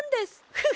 フフ！